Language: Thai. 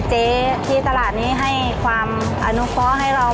ใช่ได้ค่ะได้แล้วได้แล้ว